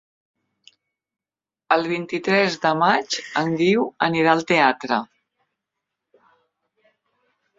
El vint-i-tres de maig en Guiu anirà al teatre.